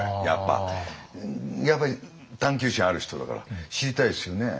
やっぱり探求心ある人だから知りたいですよね。